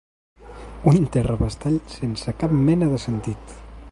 Un terrabastall sense cap mena de sentit